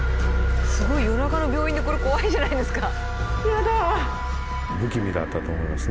すごい夜中の病院でこれ怖いじゃないですか。